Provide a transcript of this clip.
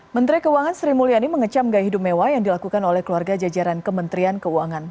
menteri keuangan sri mulyani mengecam gaya hidup mewah yang dilakukan oleh keluarga jajaran kementerian keuangan